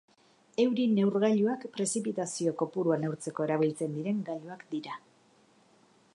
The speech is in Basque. Euri-neurgailuak prezipitazio kopurua neurtzeko erabiltzen diren gailuak dira.